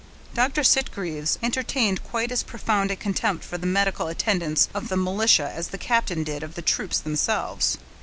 Dr. Sitgreaves entertained quite as profound a contempt for the medical attendants of the militia as the captain did of the troops themselves.